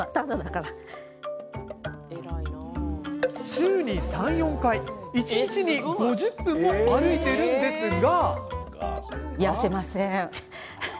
週に３、４回、１日に５０分も歩いているんですが。